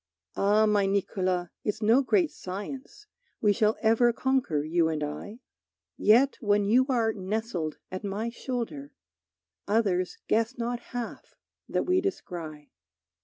Ah, my Niccolo, it's no great science We shall ever conquer, you and I. Yet, when you are nestled at my shoulder, Others guess not half that we descry.